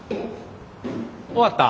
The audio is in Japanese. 終わった？